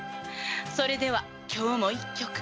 それでは今日も１曲。